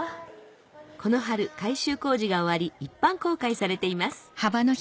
この春改修工事が終わり一般公開されています